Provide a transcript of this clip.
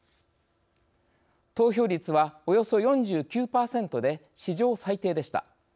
投票率はおよそ４９％で史上最低でした。